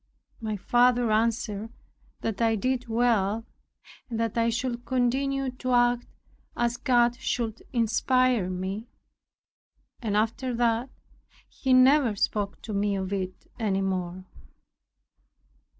My father answered that I did well, and that I should continue to act as God should inspire me. And after that, he never spoke to me of it any more.